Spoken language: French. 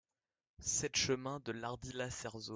sept chemin de l'Ardila Cerzeau